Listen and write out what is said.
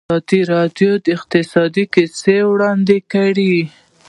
ازادي راډیو د اقتصاد کیسې وړاندې کړي.